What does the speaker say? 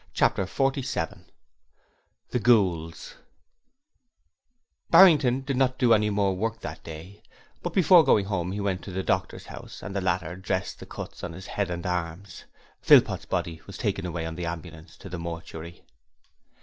Chapter 47 The Ghouls Barrington did not do any more work that day, but before going home he went to the doctor's house and the latter dressed the cuts on his head and arms. Philpot's body was taken away on the ambulance to the mortuary.